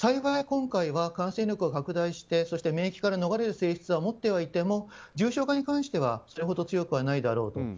幸い、今回は感染力が拡大してそして免疫から逃れる性質は持っていても重症化に関してはそれほど強くはないだろうと。